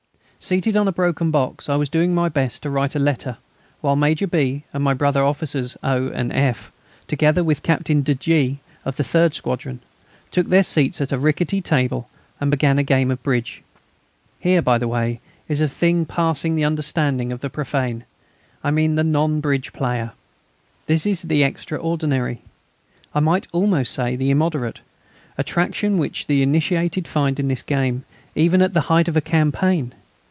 Seated on a broken box, I was doing my best to write a letter, while Major B. and my brother officers O. and F., together with Captain de G., of the third squadron, took their seats at a rickety table and began a game of bridge. Here, by the way, is a thing passing the understanding of the profane, I mean the non bridge player. This is the extraordinary, I might almost say the immoderate, attraction which the initiated find in this game, even at the height of a campaign.